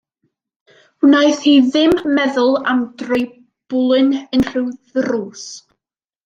Wnaeth hi ddim meddwl am droi bwlyn unrhyw ddrws.